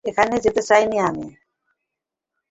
এখানে যেতে চাই আমি।